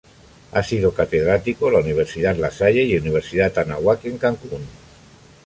Ha sido Catedrático la Universidad La Salle y Universidad Anáhuac en Cancún.